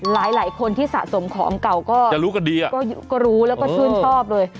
หลายคนที่สะสมของเก่าก็รู้แล้วก็ชื่นชอบเลย